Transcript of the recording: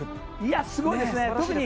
すごいですね。